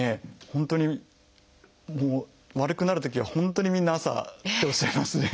本当に悪くなるときは本当にみんな朝っておっしゃいますね。